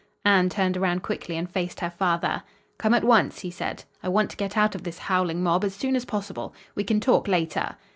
Anne turned around quickly and faced her father. "Come at once!" he said. "I want to get out of this howling mob as soon as possible. We can talk later."